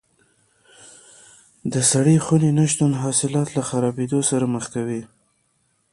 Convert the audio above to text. د سړې خونې نه شتون حاصلات له خرابېدو سره مخ کوي.